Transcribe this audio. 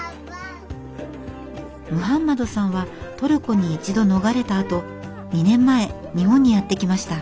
ムハンマドさんはトルコに一度逃れたあと２年前日本にやって来ました。